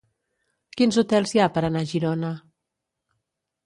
Quins hotels hi ha per anar a Girona?